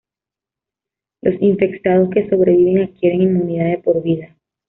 Los infectados que sobreviven adquieren inmunidad de por vida.